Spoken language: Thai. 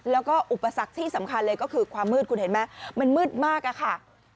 แล้วก็อุปสรรคที่สำคัญเลยก็คือความมืดคุณเห็นไหมมันมืดมากอะค่ะ